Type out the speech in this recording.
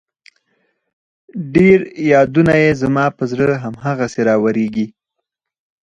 ډېر يادونه يې زما په زړه هم هغسې راوريږي